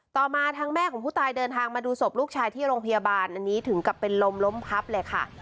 ต่อมาทางแม่ของผู้ตายเดินทางมาดูศพลูกชายที่โรงพยาบาลอันนี้ถึงกับเป็นลมล้มพับเลยค่ะ